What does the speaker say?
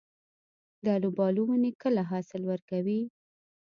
د الوبالو ونې کله حاصل ورکوي؟